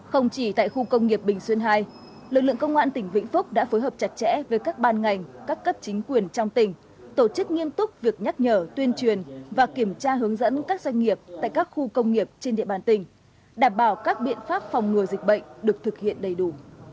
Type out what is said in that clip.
không chỉ tại khu công nghiệp bình xuyên hai lực lượng công an tỉnh vĩnh phúc đã phối hợp chặt chẽ với các ban ngành các cấp chính quyền trong tỉnh tổ chức nghiêm túc việc nhắc nhở tuyên truyền và kiểm tra hướng dẫn các doanh nghiệp tại các khu công nghiệp trên địa bàn tỉnh đảm bảo các biện pháp phòng ngừa dịch bệnh được thực hiện đầy đủ